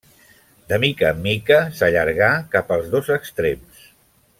De mica en mica, s’allargà cap als dos extrems.